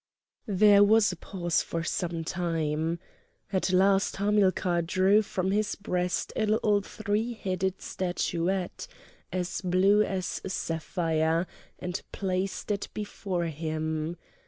There was a pause for some time. At last Hamilcar drew from his breast a little three headed statuette, as blue as sapphire, and placed it before him.